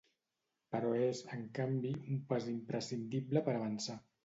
Però és, en canvi, un pas imprescindible per avançar.